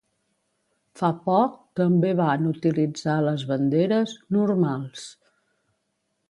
Fa poc també van utilitzar les banderes "normals".